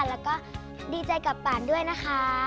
แล้วก็ดีใจกับป่านด้วยนะคะ